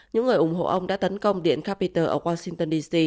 những người ủng hộ ông đã tấn công điện capitol ở washington d c